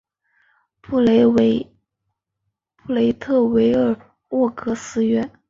布雷特维尔洛格约斯。